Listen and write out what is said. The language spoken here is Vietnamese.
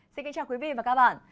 xin kính chào quý vị và các bạn